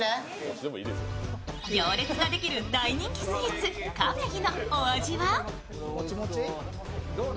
行列ができる大人気スイーツ、クァベギのお味は？